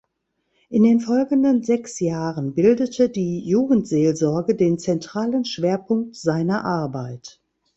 In den folgenden sechs Jahren bildete die Jugendseelsorge den zentralen Schwerpunkt seiner Arbeit.